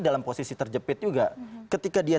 dalam posisi terjepit juga ketika dia